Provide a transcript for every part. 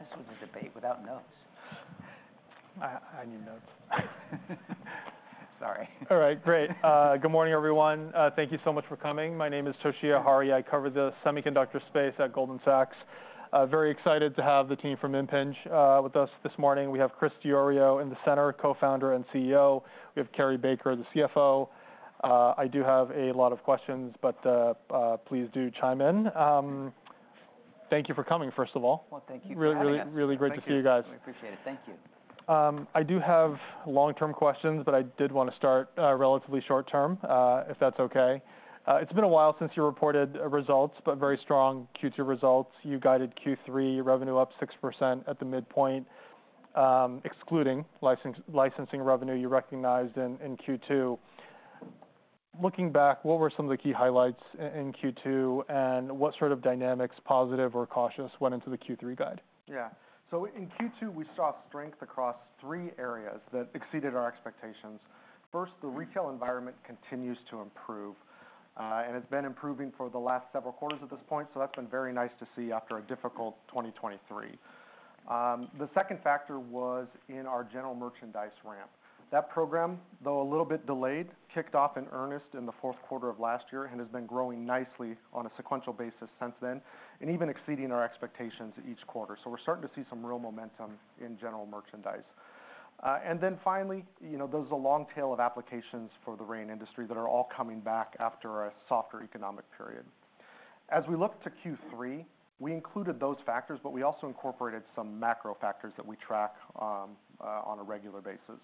I thought this was a debate without notes. I need notes. Sorry. All right, great. Good morning, everyone. Thank you so much for coming. My name is Toshiya Hari. I cover the semiconductor space at Goldman Sachs. Very excited to have the team from Impinj with us this morning. We have Chris Diorio in the center, Co-founder and CEO. We have Cary Baker, the CFO. I do have a lot of questions, but please do chime in. Thank you for coming, first of all. Thank you for having us. Really, really, really great to see you guys. We appreciate it. Thank you. I do have long-term questions, but I did want to start relatively short term, if that's okay. It's been a while since you reported results, but very strong Q2 results. You guided Q3 revenue up 6% at the midpoint, excluding licensing revenue you recognized in Q2. Looking back, what were some of the key highlights in Q2, and what sort of dynamics, positive or cautious, went into the Q3 guide? Yeah, so in Q2, we saw strength across three areas that exceeded our expectations. First, the retail environment continues to improve, and it's been improving for the last several quarters at this point, so that's been very nice to see after a difficult 2023. The second factor was in our general merchandise ramp. That program, though a little bit delayed, kicked off in earnest in the fourth quarter of last year and has been growing nicely on a sequential basis since then, and even exceeding our expectations each quarter, so we're starting to see some real momentum in general merchandise, and then finally, you know, there's a long tail of applications for the RAIN industry that are all coming back after a softer economic period. As we look to Q3, we included those factors, but we also incorporated some macro factors that we track on a regular basis.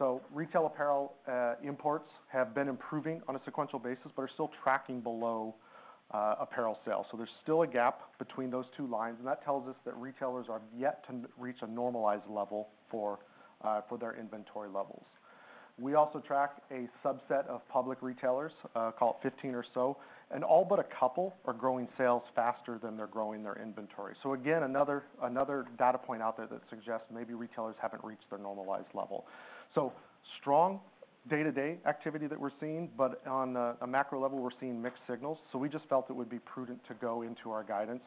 So retail apparel imports have been improving on a sequential basis, but are still tracking below apparel sales. So there's still a gap between those two lines, and that tells us that retailers are yet to reach a normalized level for their inventory levels. We also track a subset of public retailers, call it 15 or so, and all but a couple are growing sales faster than they're growing their inventory. So again, another data point out there that suggests maybe retailers haven't reached their normalized level. So strong day-to-day activity that we're seeing, but on a macro level, we're seeing mixed signals, so we just felt it would be prudent to go into our guidance.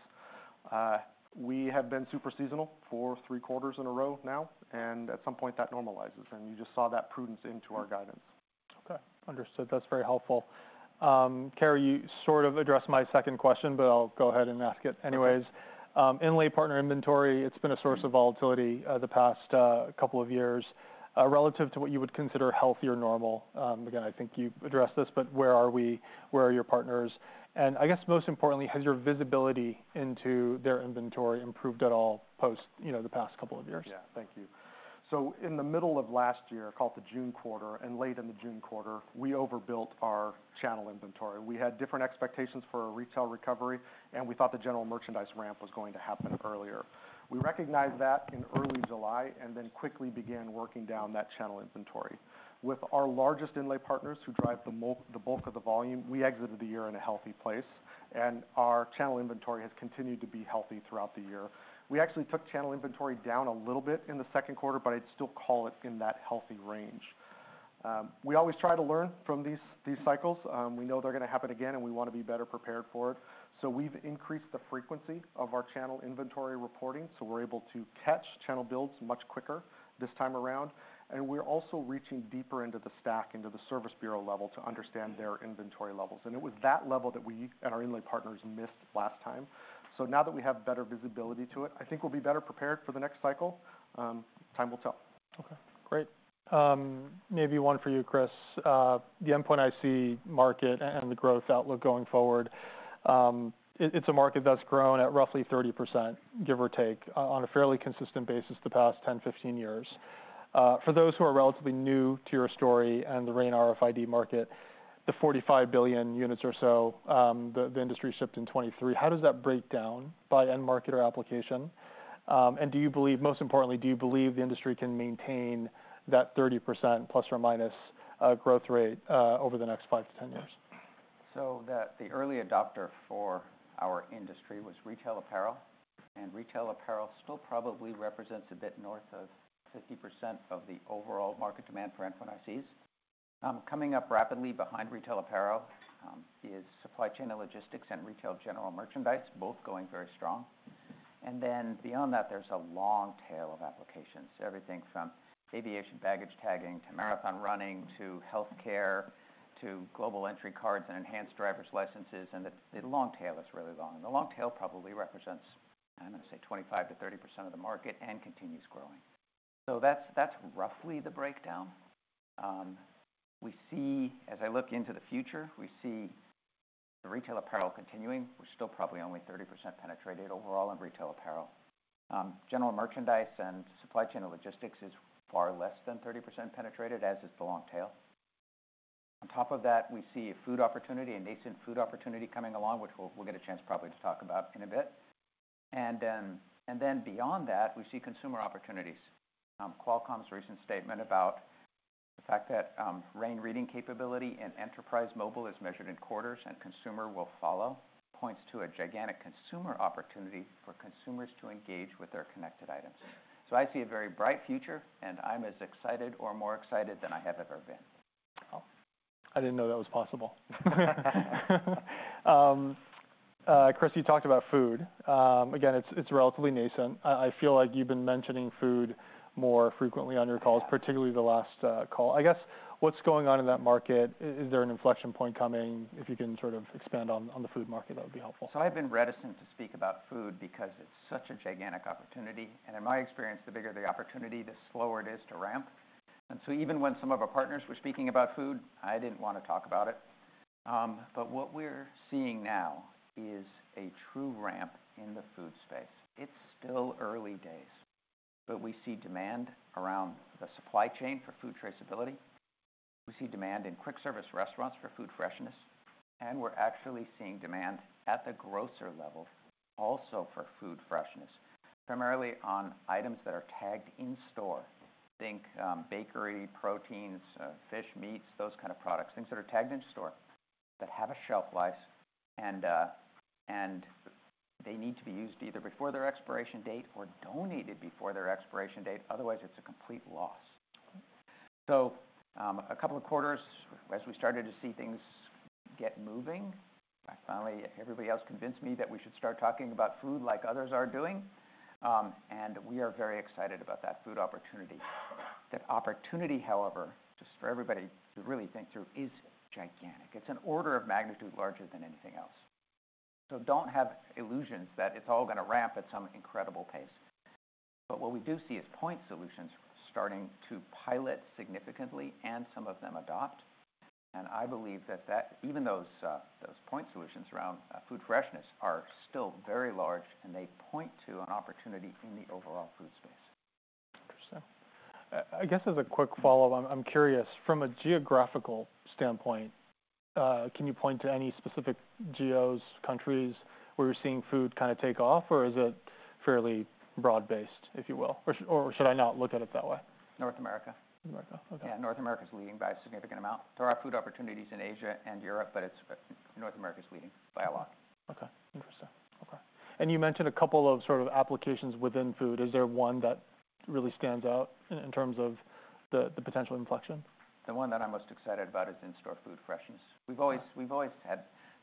We have been super seasonal for three quarters in a row now, and at some point that normalizes, and you just saw that prudence into our guidance. Okay, understood. That's very helpful. Cary, you sort of addressed my second question, but I'll go ahead and ask it anyways. Okay. Inlay partner inventory, it's been a source of volatility the past couple of years. Relative to what you would consider healthier normal, again, I think you've addressed this, but where are we? Where are your partners? And I guess most importantly, has your visibility into their inventory improved at all post, you know, the past couple of years? Yeah. Thank you. So in the middle of last year, called the June quarter, and late in the June quarter, we overbuilt our channel inventory. We had different expectations for a retail recovery, and we thought the general merchandise ramp was going to happen earlier. We recognized that in early July, and then quickly began working down that channel inventory. With our largest inlay partners, who drive the bulk of the volume, we exited the year in a healthy place, and our channel inventory has continued to be healthy throughout the year. We actually took channel inventory down a little bit in the second quarter, but I'd still call it in that healthy range. We always try to learn from these cycles. We know they're gonna happen again, and we want to be better prepared for it. So we've increased the frequency of our channel inventory reporting, so we're able to catch channel builds much quicker this time around. And we're also reaching deeper into the stack, into the service bureau level, to understand their inventory levels. And it was that level that we and our inlay partners missed last time. So now that we have better visibility to it, I think we'll be better prepared for the next cycle. Time will tell. Okay, great. Maybe one for you, Chris. The endpoint IC market and the growth outlook going forward, it's a market that's grown at roughly 30%, give or take, on a fairly consistent basis the past 10, 15 years. For those who are relatively new to your story and the RAIN RFID market, the 45 billion units or so, the industry shipped in 2023, how does that break down by end market or application? And do you believe, most importantly, do you believe the industry can maintain that 30%, plus or minus, growth rate over the next 5 to 10 years? So the early adopter for our industry was retail apparel, and retail apparel still probably represents a bit north of 50% of the overall market demand for endpoint ICs. Coming up rapidly behind retail apparel is supply chain and logistics and retail general merchandise, both going very strong, and then beyond that, there's a long tail of applications, everything from aviation baggage tagging, to marathon running, to healthcare, to Global Entry cards and Enhanced Driver's Licenses, and the long tail is really long. The long tail probably represents, I'm gonna say, 25%-30% of the market and continues growing, so that's roughly the breakdown. We see... As I look into the future, we see the retail apparel continuing. We're still probably only 30% penetrated overall in retail apparel. General merchandise and supply chain and logistics is far less than 30% penetrated, as is the long tail. On top of that, we see a food opportunity, a nascent food opportunity coming along, which we'll get a chance probably to talk about in a bit. And then beyond that, we see consumer opportunities. Qualcomm's recent statement about the fact that RAIN reading capability and enterprise mobile is measured in quarters and consumer will follow points to a gigantic consumer opportunity for consumers to engage with their connected items. So I see a very bright future, and I'm as excited or more excited than I have ever been.... I didn't know that was possible. Chris, you talked about food. Again, it's relatively nascent. I feel like you've been mentioning food more frequently on your calls- Yeah - particularly the last call. I guess, what's going on in that market? Is there an inflection point coming? If you can sort of expand on the food market, that would be helpful. I've been reticent to speak about food because it's such a gigantic opportunity, and in my experience, the bigger the opportunity, the slower it is to ramp. And so even when some of our partners were speaking about food, I didn't want to talk about it. But what we're seeing now is a true ramp in the food space. It's still early days, but we see demand around the supply chain for food traceability. We see demand in quick service restaurants for food freshness, and we're actually seeing demand at the grocer level, also for food freshness, primarily on items that are tagged in store. Think bakery, proteins, fish, meats, those kind of products, things that are tagged in store, that have a shelf life, and they need to be used either before their expiration date or donated before their expiration date. Otherwise, it's a complete loss, so a couple of quarters, as we started to see things get moving, everybody else convinced me that we should start talking about food like others are doing, and we are very excited about that food opportunity. That opportunity, however, just for everybody to really think through, is gigantic. It's an order of magnitude larger than anything else, so don't have illusions that it's all gonna ramp at some incredible pace, but what we do see is point solutions starting to pilot significantly, and some of them adopt, and I believe that even those point solutions around food freshness are still very large, and they point to an opportunity in the overall food space. Interesting. I guess as a quick follow-up, I'm curious, from a geographical standpoint, can you point to any specific geos, countries where you're seeing food kind of take off, or is it fairly broad-based, if you will? Or should I not look at it that way? North America. North America, okay. Yeah, North America's leading by a significant amount. There are food opportunities in Asia and Europe, but it's North America's leading by a lot. Okay, interesting. Okay, and you mentioned a couple of sort of applications within food. Is there one that really stands out in terms of the potential inflection? The one that I'm most excited about is in-store food freshness. We've always had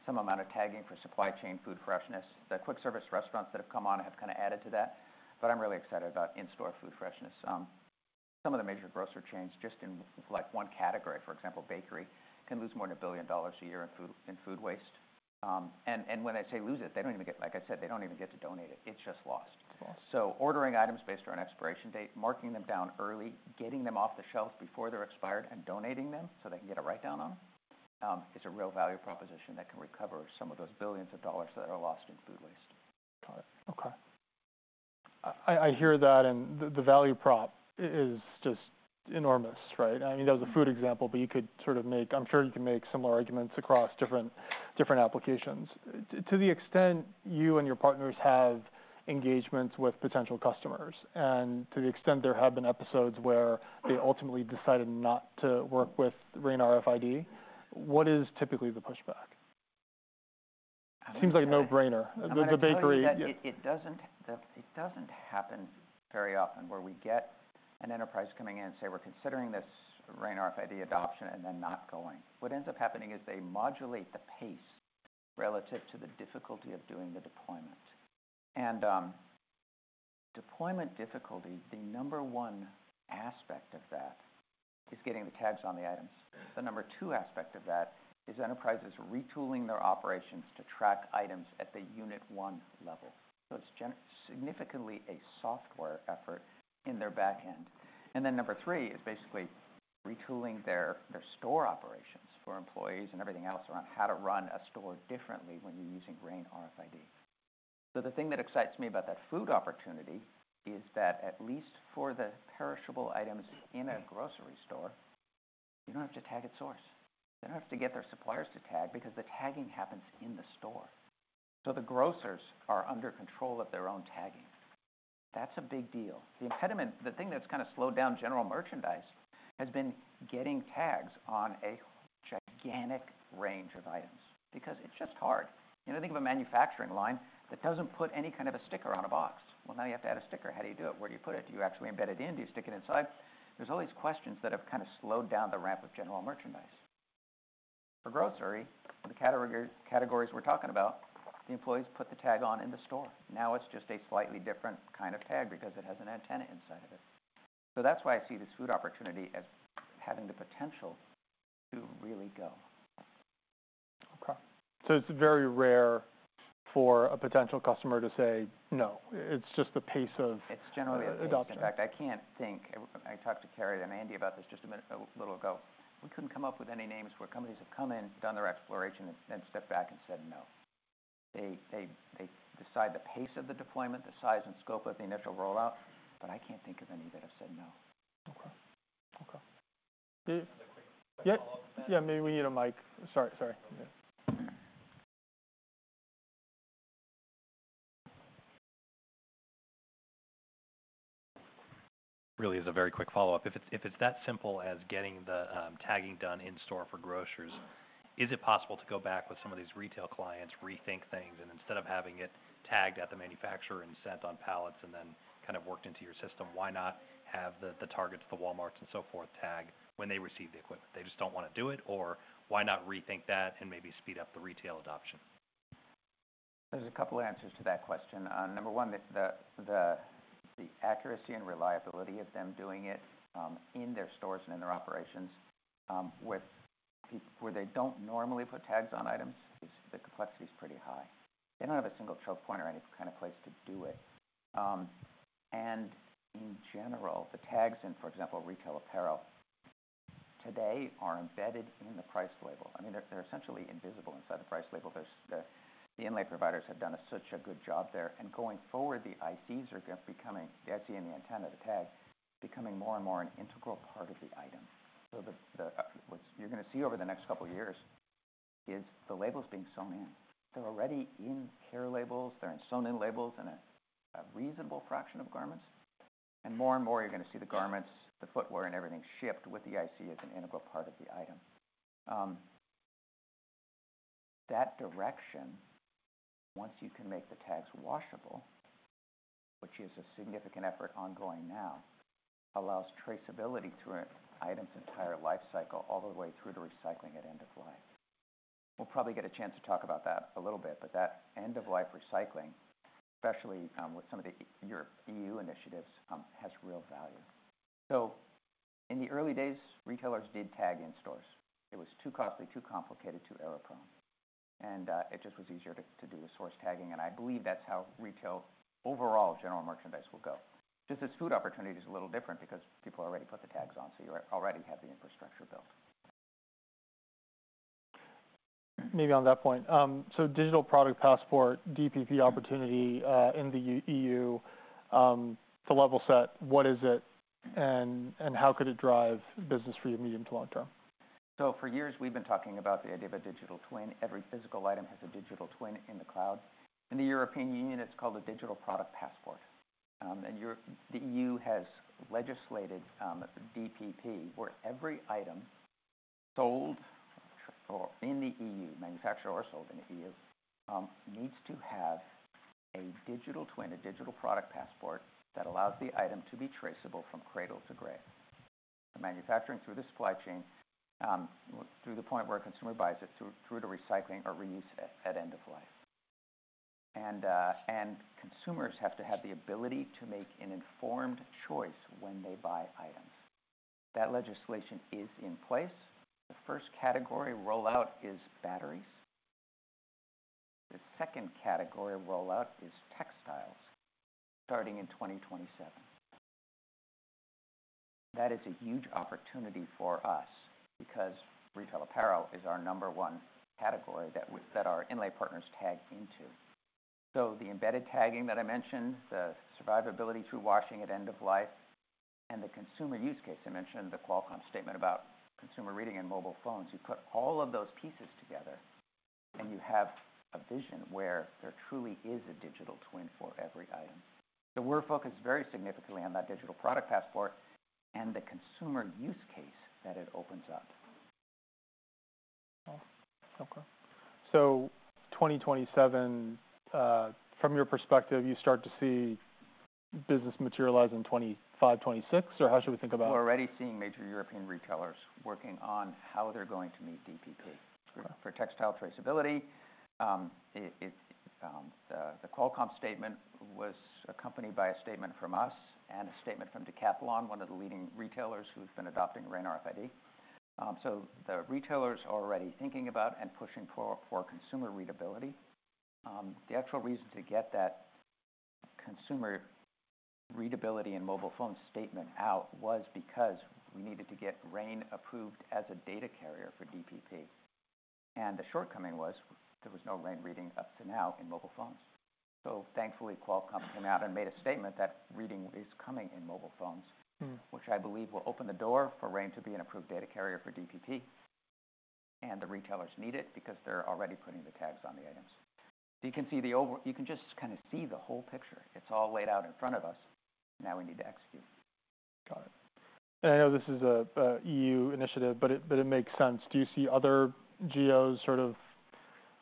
some amount of tagging for supply chain food freshness. The quick service restaurants that have come on have kind of added to that, but I'm really excited about in-store food freshness. Some of the major grocer chains, just in like one category, for example, bakery, can lose more than $1 billion a year in food waste. And when I say lose it, like I said, they don't even get to donate it. It's just lost. Lost. Ordering items based on an expiration date, marking them down early, getting them off the shelves before they're expired, and donating them so they can get a write-down on them is a real value proposition that can recover some of those billions of dollars that are lost in food waste. Got it. Okay. I hear that, and the value prop is just enormous, right? I mean, that was a food example, but you could sort of make... I'm sure you can make similar arguments across different applications. To the extent you and your partners have engagements with potential customers, and to the extent there have been episodes where they ultimately decided not to work with RAIN RFID, what is typically the pushback? Seems like a no-brainer. The bakery- I'm gonna tell you, it doesn't happen very often where we get an enterprise coming in and say, "We're considering this RAIN RFID adoption," and then not going. What ends up happening is they modulate the pace relative to the difficulty of doing the deployment. And deployment difficulty, the number one aspect of that, is getting the tags on the items. The number two aspect of that is enterprises retooling their operations to track items at the unit one level. So it's significantly a software effort in their back end. And then number three is basically retooling their store operations for employees and everything else around how to run a store differently when you're using RAIN RFID. So, the thing that excites me about that food opportunity is that at least for the perishable items in a grocery store, you don't have to tag at source. They don't have to get their suppliers to tag because the tagging happens in the store, so the grocers are in control of their own tagging. That's a big deal. The impediment, the thing that's kind of slowed down general merchandise, has been getting tags on a gigantic range of items because it's just hard. You know, think of a manufacturing line that doesn't put any kind of a sticker on a box. Well, now you have to add a sticker. How do you do it? Where do you put it? Do you actually embed it in? Do you stick it inside? There's all these questions that have kind of slowed down the ramp of general merchandise. For grocery, the categories we're talking about, the employees put the tag on in the store. Now, it's just a slightly different kind of tag because it has an antenna inside of it. So that's why I see this food opportunity as having the potential to really go. Okay. So it's very rare for a potential customer to say, "No." It's just the pace of- It's generally- - adoption. In fact, I can't think... I talked to Cary and Andy about this just a minute, a little ago. We couldn't come up with any names where companies have come in, done their exploration, and stepped back and said, "No." They decide the pace of the deployment, the size and scope of the initial rollout, but I can't think of any that have said, "No. Okay. Just a quick follow-up then. Yeah. Yeah, maybe we need a mic. Sorry, sorry. Yeah. Really, it's a very quick follow-up. If it's that simple as getting the tagging done in-store for grocers. Is it possible to go back with some of these retail clients, rethink things, and instead of having it tagged at the manufacturer and sent on pallets and then kind of worked into your system, why not have the Targets, the Walmarts, and so forth, tag when they receive the equipment? They just don't wanna do it, or why not rethink that and maybe speed up the retail adoption? There's a couple answers to that question. Number one, the accuracy and reliability of them doing it in their stores and in their operations, with where they don't normally put tags on items, is the complexity is pretty high. They don't have a single choke point or any kind of place to do it. And in general, the tags in, for example, retail apparel, today are embedded in the price label. I mean, they're essentially invisible inside the price label. The inlay providers have done such a good job there, and going forward, the ICs are just becoming, the IC and the antenna of the tag, becoming more and more an integral part of the item. So what you're gonna see over the next couple of years is the labels being sewn in. They're already in care labels, they're in sewn in labels in a reasonable fraction of garments, and more and more, you're gonna see the garments, the footwear, and everything shipped with the IC as an integral part of the item. That direction, once you can make the tags washable, which is a significant effort ongoing now, allows traceability through an item's entire life cycle, all the way through to recycling at end of life. We'll probably get a chance to talk about that a little bit, but that end of life recycling, especially, with some of the Europe, EU initiatives, has real value, so in the early days, retailers did tag in stores. It was too costly, too complicated, too error-prone, and it just was easier to do the source tagging, and I believe that's how retail, overall, general merchandise will go. Just this food opportunity is a little different because people already put the tags on, so you already have the infrastructure built. Maybe on that point, so Digital Product Passport, DPP opportunity, in the EU, to level set, what is it and how could it drive business for you medium to long term? For years, we've been talking about the idea of a digital twin. Every physical item has a digital twin in the cloud. In the European Union, it's called a Digital Product Passport. The EU has legislated the DPP, where every item sold or in the EU, manufactured or sold in the EU, needs to have a digital twin, a Digital Product Passport, that allows the item to be traceable from cradle to grave. The manufacturing through the supply chain, through the point where a consumer buys it, through to recycling or reuse at end of life. Consumers have to have the ability to make an informed choice when they buy items. That legislation is in place. The first category rollout is batteries. The second category rollout is textiles, starting in 2027. That is a huge opportunity for us because retail apparel is our number one category that our inlay partners tag into. So the embedded tagging that I mentioned, the survivability through washing at end of life, and the consumer use case, I mentioned the Qualcomm statement about consumer reading and mobile phones. You put all of those pieces together, and you have a vision where there truly is a digital twin for every item. So we're focused very significantly on that digital product passport and the consumer use case that it opens up. Okay. So 2027, from your perspective, you start to see business materialize in 2025, 2026, or how should we think about it? We're already seeing major European retailers working on how they're going to meet DPP. Okay. For textile traceability, the Qualcomm statement was accompanied by a statement from us and a statement from Decathlon, one of the leading retailers who's been adopting RAIN RFID. The retailers are already thinking about and pushing for consumer readability. The actual reason to get that consumer readability and mobile phone statement out was because we needed to get RAIN approved as a data carrier for DPP. The shortcoming was there was no RAIN reading up to now in mobile phones. Thankfully, Qualcomm came out and made a statement that reading is coming in mobile phones- Mm. which I believe will open the door for RAIN to be an approved data carrier for DPP. And the retailers need it because they're already putting the tags on the items. You can just kind of see the whole picture. It's all laid out in front of us, now we need to execute. Got it. And I know this is a EU initiative, but it makes sense. Do you see other geos sort of,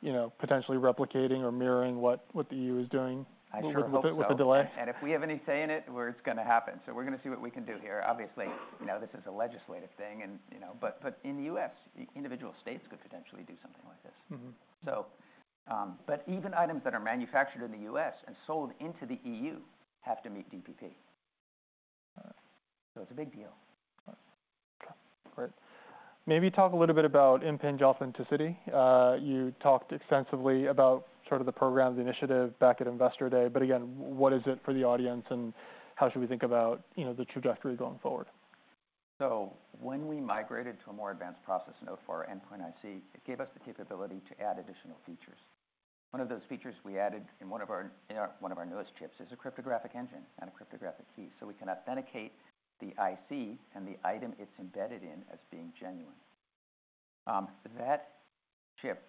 you know, potentially replicating or mirroring what the EU is doing? I sure hope so.... with a delay? And if we have any say in it, where it's gonna happen. So we're gonna see what we can do here. Obviously, you know, this is a legislative thing and, you know, but in the U.S., individual states could potentially do something like this. Mm-hmm. But even items that are manufactured in the US and sold into the EU have to meet DPP. All right. So it's a big deal. All right. Maybe talk a little bit about Impinj Authenticity. You talked extensively about sort of the program's initiative back at Investor Day, but again, what is it for the audience, and how should we think about, you know, the trajectory going forward? So when we migrated to a more advanced process node for our endpoint IC, it gave us the capability to add additional features. One of those features we added in one of our newest chips is a cryptographic engine and a cryptographic key. So we can authenticate the IC and the item it's embedded in as being genuine. That chip,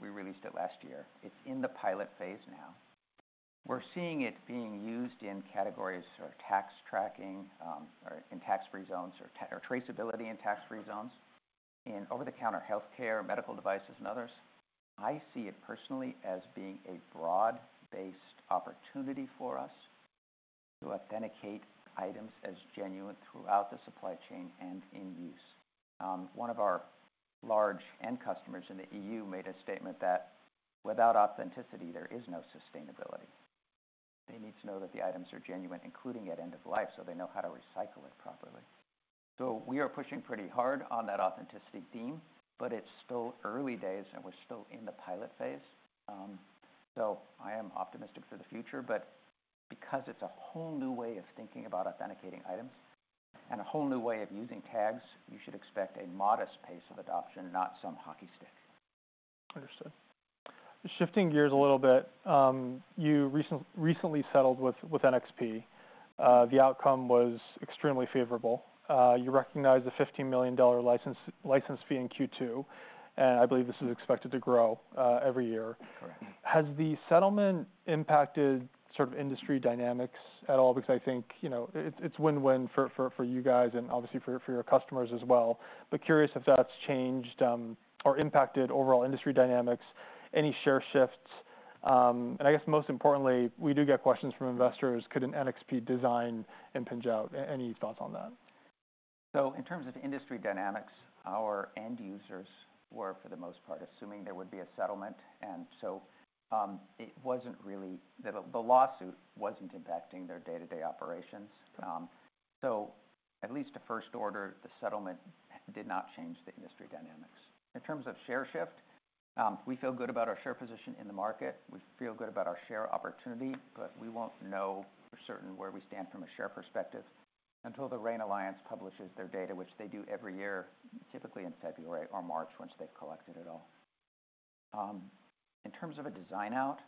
we released it last year, it's in the pilot phase now. We're seeing it being used in categories for tax tracking, or in tax-free zones, or traceability in tax-free zones, in over-the-counter healthcare, medical devices, and others. I see it personally as being a broad-based opportunity for us to authenticate items as genuine throughout the supply chain and in use. One of our large end customers in the EU made a statement that, without authenticity, there is no sustainability. They need to know that the items are genuine, including at end of life, so they know how to recycle it properly. So we are pushing pretty hard on that authenticity theme, but it's still early days, and we're still in the pilot phase. So I am optimistic for the future, but because it's a whole new way of thinking about authenticating items and a whole new way of using tags, you should expect a modest pace of adoption, not some hockey stick. Understood. Shifting gears a little bit, you recently settled with NXP. The outcome was extremely favorable. You recognized a $50 million license fee in Q2, and I believe this is expected to grow every year. Correct. Has the settlement impacted sort of industry dynamics at all? Because I think, you know, it, it's win-win for, for, for you guys and obviously for, for your customers as well. But curious if that's changed, or impacted overall industry dynamics, any share shifts, and I guess most importantly, we do get questions from investors, could an NXP design Impinj out? Any thoughts on that? In terms of industry dynamics, our end users were, for the most part, assuming there would be a settlement, and so, the lawsuit wasn't impacting their day-to-day operations. At least a first order, the settlement did not change the industry dynamics. In terms of share shift, we feel good about our share position in the market. We feel good about our share opportunity, but we won't know for certain where we stand from a share perspective until the RAIN Alliance publishes their data, which they do every year, typically in February or March, once they've collected it all. In terms of a design out,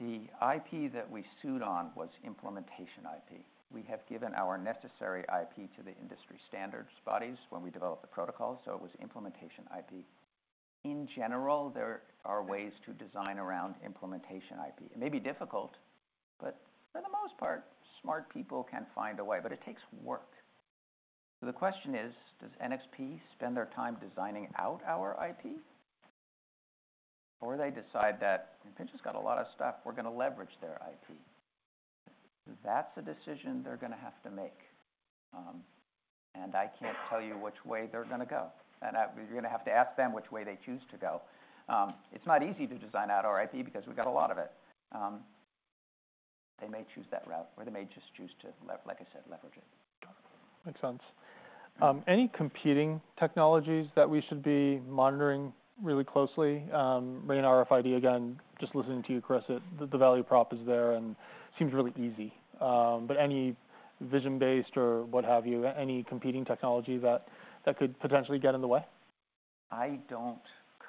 the IP that we sued on was implementation IP. We have given our necessary IP to the industry standards bodies when we developed the protocol, so it was implementation IP. In general, there are ways to design around implementation IP. It may be difficult, but for the most part, smart people can find a way, but it takes work. So the question is: Does NXP spend their time designing out our IP, or they decide that Impinj's got a lot of stuff, we're gonna leverage their IP? That's a decision they're gonna have to make, and I can't tell you which way they're gonna go, and you're gonna have to ask them which way they choose to go. It's not easy to design out our IP because we've got a lot of it. They may choose that route, or they may just choose to like I said, leverage it. Makes sense. Any competing technologies that we should be monitoring really closely? RAIN RFID, again, just listening to you, Chris, it... The value prop is there and seems really easy, but any vision-based or what have you, any competing technology that could potentially get in the way? I don't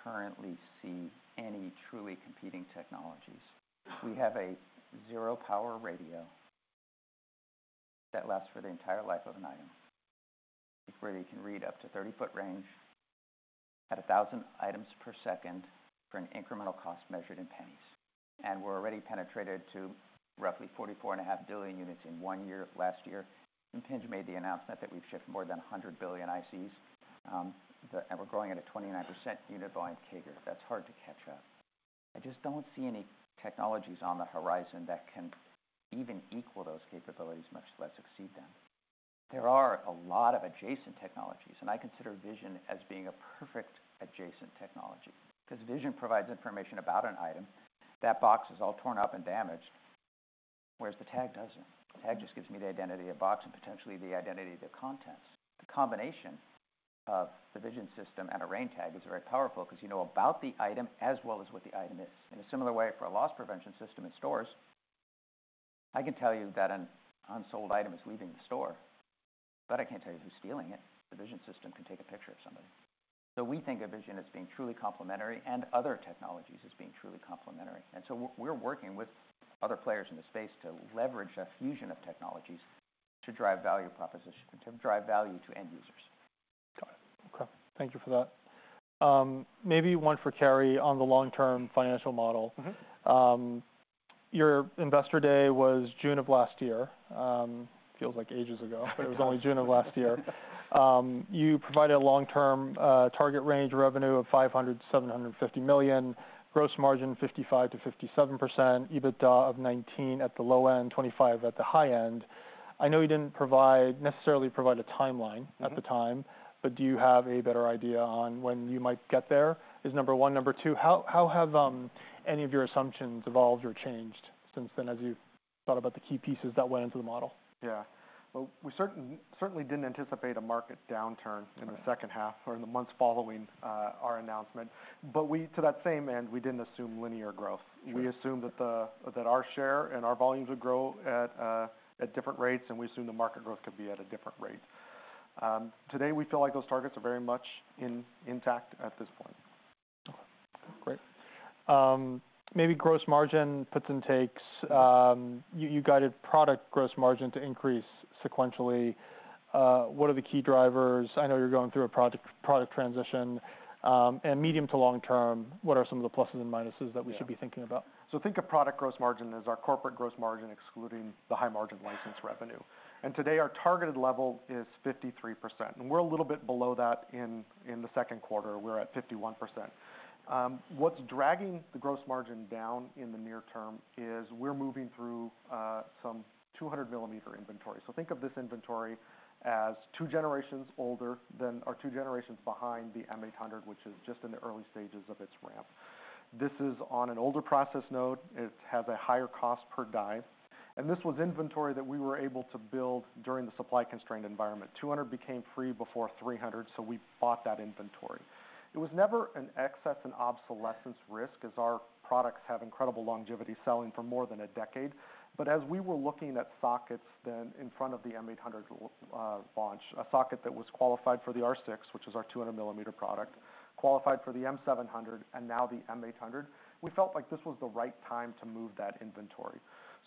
currently see any truly competing technologies. We have a zero-power radio that lasts for the entire life of an item, where you can read up to 30-foot range at 1,000 items per second for an incremental cost measured in pennies. We're already penetrated to roughly 44.5 billion units in one year, last year. Impinj made the announcement that we've shipped more than 100 billion ICs, and we're growing at a 29% unit volume CAGR. That's hard to catch up. I just don't see any technologies on the horizon that can even equal those capabilities, much less exceed them. There are a lot of adjacent technologies, and I consider vision as being a perfect adjacent technology because vision provides information about an item. That box is all torn up and damaged, whereas the tag doesn't. The tag just gives me the identity of box and potentially the identity of the contents. The combination of the vision system and a RAIN tag is very powerful because you know about the item as well as what the item is. In a similar way, for a loss prevention system in stores, I can tell you that an unsold item is leaving the store, but I can't tell you who's stealing it. The vision system can take a picture of somebody. So we think of vision as being truly complementary and other technologies as being truly complementary. And so we're working with other players in the space to leverage a fusion of technologies to drive value proposition, to drive value to end users. Got it. Okay, thank you for that. Maybe one for Cary on the long-term financial model. Mm-hmm. Your investor day was June of last year. It feels like ages ago, but it was only June of last year. You provided a long-term target range revenue of $500-$750 million, gross margin 55%-57%, EBITDA of $19 million at the low end, $25 million at the high end. I know you didn't necessarily provide a timeline at the time. Mm-hmm... but do you have a better idea on when you might get there? That's number one. Number two, how have any of your assumptions evolved or changed since then, as you've thought about the key pieces that went into the model? Yeah. Well, we certainly didn't anticipate a market downturn- Right... in the second half or in the months following, our announcement. But we, to that same end, we didn't assume linear growth. Sure. We assumed that our share and our volumes would grow at different rates, and we assumed the market growth could be at a different rate. Today, we feel like those targets are very much intact at this point. Okay, great. Maybe gross margin, puts and takes. You guided product gross margin to increase sequentially. What are the key drivers? I know you're going through a product transition, and medium to long term, what are some of the pluses and minuses that- Yeah. We should be thinking about? So think of product gross margin as our corporate gross margin, excluding the high margin license revenue. And today, our targeted level is 53%, and we're a little bit below that in the second quarter, we're at 51%. What's dragging the gross margin down in the near term is we're moving through some 200 millimeter inventory. So think of this inventory as two generations older than, or two generations behind the M800, which is just in the early stages of its ramp. This is on an older process node. It has a higher cost per die, and this was inventory that we were able to build during the supply-constrained environment. 200 became free before 300, so we bought that inventory. It was never an excess and obsolescence risk, as our products have incredible longevity, selling for more than a decade. But as we were looking at sockets then in front of the M800 launch, a socket that was qualified for the R6, which is our two hundred millimeter product, qualified for the M700, and now the M800. We felt like this was the right time to move that inventory.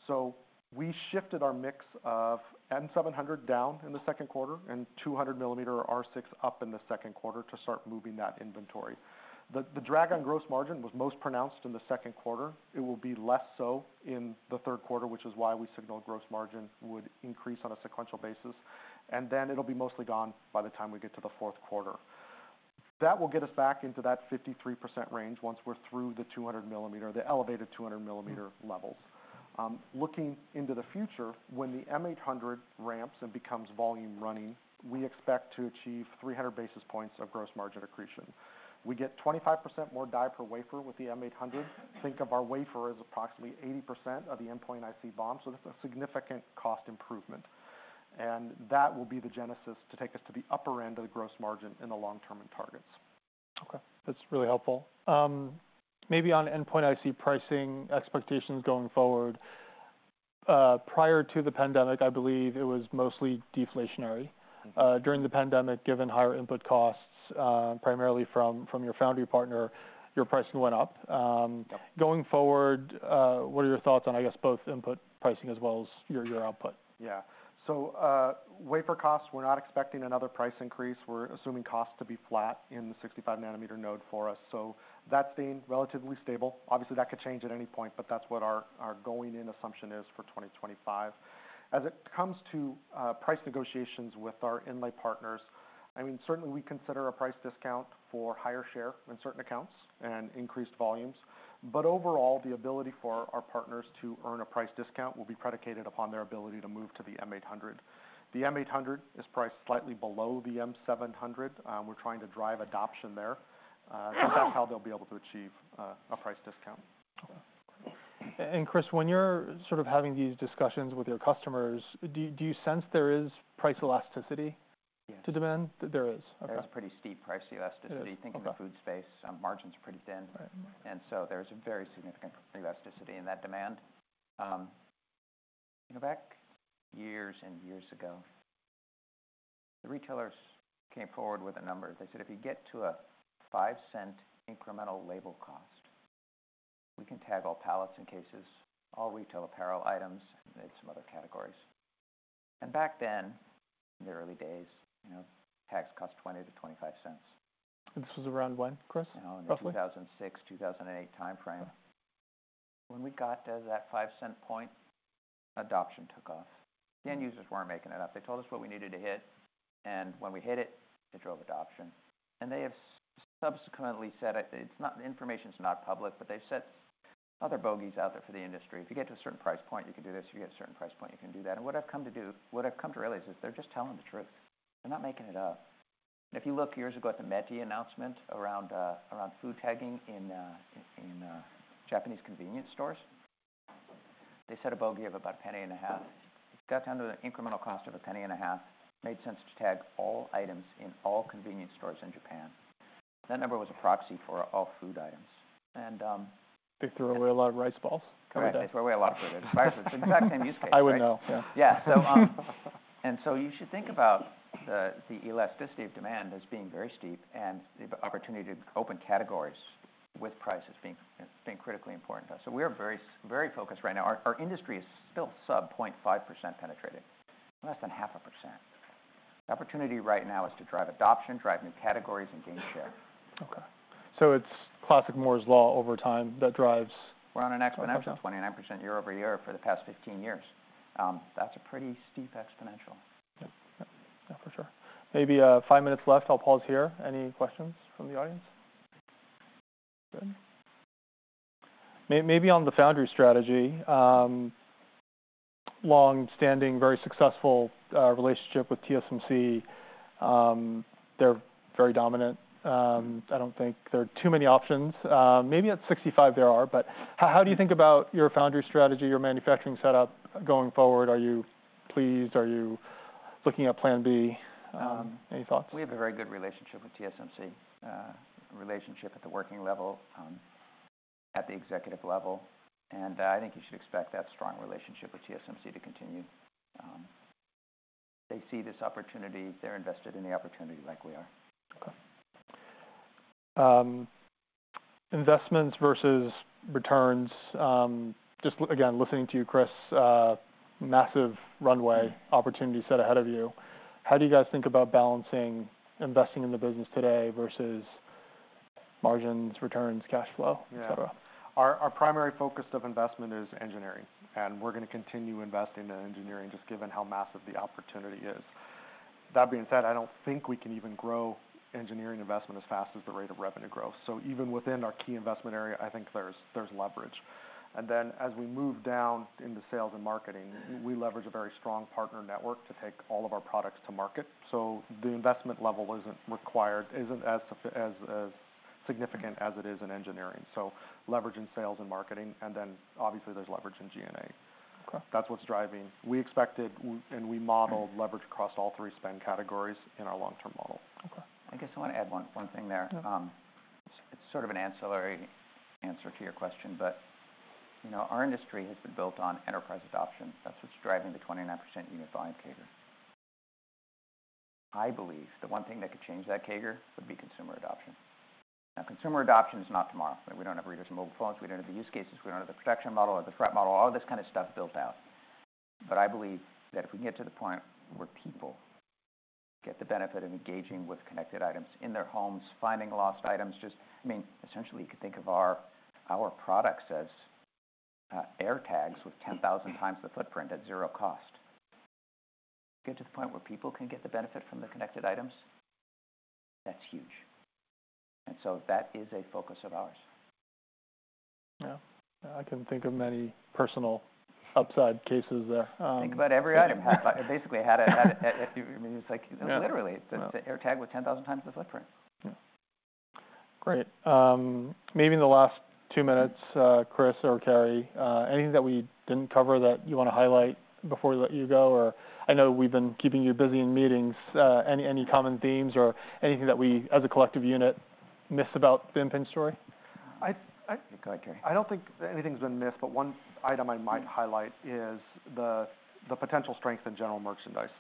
So we shifted our mix of M700 down in the second quarter, and two hundred millimeter R6 up in the second quarter to start moving that inventory. The drag on gross margin was most pronounced in the second quarter. It will be less so in the third quarter, which is why we signaled gross margin would increase on a sequential basis, and then it'll be mostly gone by the time we get to the fourth quarter. That will get us back into that 53% range, once we're through the two hundred millimeter, the elevated two hundred millimeter levels. Looking into the future, when the M800 ramps and becomes volume running, we expect to achieve three hundred basis points of gross margin accretion. We get 25% more die per wafer with the M800. Think of our wafer as approximately 80% of the endpoint IC BOM, so this is a significant cost improvement, and that will be the genesis to take us to the upper end of the gross margin in the long-term targets. Okay, that's really helpful. Maybe on Endpoint IC pricing expectations going forward? Prior to the pandemic, I believe it was mostly deflationary. Mm-hmm. During the pandemic, given higher input costs, primarily from your foundry partner, your pricing went up. Yep. Going forward, what are your thoughts on, I guess, both input pricing as well as your output? Yeah. So, wafer costs, we're not expecting another price increase. We're assuming costs to be flat in the sixty-five nanometer node for us, so that's staying relatively stable. Obviously, that could change at any point, but that's what our going-in assumption is for twenty twenty-five. As it comes to price negotiations with our inlay partners, I mean, certainly we consider a price discount for higher share in certain accounts and increased volumes, but overall, the ability for our partners to earn a price discount will be predicated upon their ability to move to the M800. The M800 is priced slightly below the M700. We're trying to drive adoption there, and that's how they'll be able to achieve a price discount. Okay. And Chris, when you're sort of having these discussions with your customers, do you sense there is price elasticity- Yes. -to demand? There is, okay. There is pretty steep price elasticity. Yeah, okay. Think of the food space, margins are pretty thin. Right. And so there's a very significant elasticity in that demand. Back years and years ago, the retailers came forward with a number. They said, "If you get to a $0.05 incremental label cost, we can tag all pallets and cases, all retail apparel items, and some other categories." And back then, in the early days, you know, tags cost $0.20-$0.25. This was around when, Chris, roughly? You know, in the 2006-2008 timeframe. When we got to that $0.05 point, adoption took off. The end users weren't making it up. They told us what we needed to hit, and when we hit it, it drove adoption, and they have subsequently said, it's not-- the information's not public, but they've set other bogeys out there for the industry. If you get to a certain price point, you can do this. If you get a certain price point, you can do that, and what I've come to realize is they're just telling the truth. They're not making it up, and if you look years ago at the METI announcement around food tagging in Japanese convenience stores, they set a bogey of about $0.015. It got down to the incremental cost of $0.015, made sense to tag all items in all convenience stores in Japan. That number was a proxy for all food items, and They threw away a lot of rice balls per day. Correct. They threw away a lot of food. It's the exact same use case. I would know, yeah. Yeah. So, and so you should think about the elasticity of demand as being very steep and the opportunity to open categories with prices being critically important to us. So we are very, very focused right now. Our industry is still sub-0.5% penetrated, less than 0.5%. The opportunity right now is to drive adoption, drive new categories, and gain share. Okay. So it's classic Moore's Law over time that drives- We're on an exponential 29% year-over-year for the past 15 years. That's a pretty steep exponential. Yep. Yep. Yeah, for sure. Maybe five minutes left. I'll pause here. Any questions from the audience? Good. Maybe on the foundry strategy, long-standing, very successful relationship with TSMC. They're very dominant. I don't think there are too many options. Maybe at sixty-five there are, but how do you think about your foundry strategy, your manufacturing setup going forward? Are you pleased? Are you looking at plan B? Any thoughts? We have a very good relationship with TSMC, a relationship at the working level, at the executive level, and, I think you should expect that strong relationship with TSMC to continue. They see this opportunity. They're invested in the opportunity like we are. Okay, investments versus returns. Just, again, listening to you, Chris, massive runway opportunity set ahead of you. How do you guys think about balancing investing in the business today versus margins, returns, cash flow, et cetera? Yeah. Our primary focus of investment is engineering, and we're going to continue investing in engineering, just given how massive the opportunity is. That being said, I don't think we can even grow engineering investment as fast as the rate of revenue growth. So even within our key investment area, I think there's leverage. And then, as we move down into sales and marketing, we leverage a very strong partner network to take all of our products to market, so the investment level isn't as significant as it is in engineering. So leverage in sales and marketing, and then, obviously, there's leverage in G&A. Okay. That's what's driving. We expected and we modeled leverage across all three spend categories in our long-term model. Okay. I guess I want to add one thing there. Yeah. It's sort of an ancillary answer to your question, but, you know, our industry has been built on enterprise adoption. That's what's driving the 29% unit volume CAGR. I believe the one thing that could change that CAGR would be consumer adoption. Now, consumer adoption is not tomorrow. We don't have readers in mobile phones. We don't have the use cases. We don't have the protection model or the threat model, all this kind of stuff built out. But I believe that if we can get to the point where people get the benefit of engaging with connected items in their homes, finding lost items, just... I mean, essentially, you could think of our products as AirTags with ten thousand times the footprint at zero cost. Get to the point where people can get the benefit from the connected items, that's huge. And so that is a focus of ours. Yeah. I can think of many personal upside cases there. Think about every item, basically, had a... I mean, it's like, literally- Yeah... the AirTag with ten thousand times the footprint. Yeah. Great. Maybe in the last two minutes, Chris or Cary, anything that we didn't cover that you want to highlight before we let you go? Or I know we've been keeping you busy in meetings. Any common themes or anything that we, as a collective unit, missed about the Impinj story? I, I- Go ahead, Cary. I don't think anything's been missed, but one item I might highlight is the potential strength in general merchandise.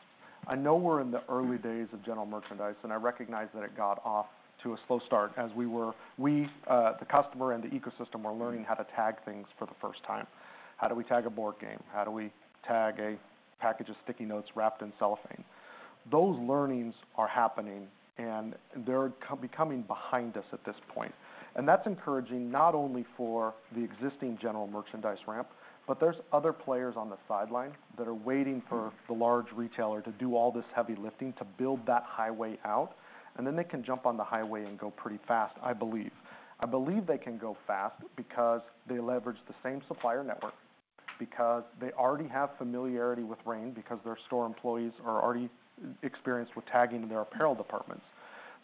I know we're in the early days of general merchandise, and I recognize that it got off to a slow start as we were, the customer and the ecosystem were learning how to tag things for the first time. How do we tag a board game? How do we tag a package of sticky notes wrapped in cellophane? Those learnings are happening, and they're coming behind us at this point, and that's encouraging, not only for the existing general merchandise ramp, but there's other players on the sideline that are waiting for the large retailer to do all this heavy lifting, to build that highway out, and then they can jump on the highway and go pretty fast, I believe. I believe they can go fast because they leverage the same supplier network, because they already have familiarity with RAIN, because their store employees are already experienced with tagging their apparel departments,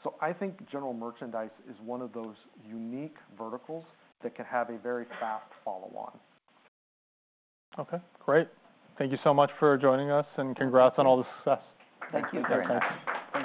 so I think general merchandise is one of those unique verticals that can have a very fast follow-on. Okay, great. Thank you so much for joining us, and congrats on all the success. Thank you very much.